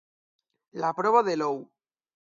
La prova de l'ou.